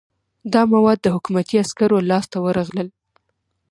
دا مواد د حکومتي عسکرو لاس ته ورغلل.